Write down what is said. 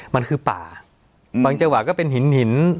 มันคือป่าบางจังหวะก็เป็นหินหิน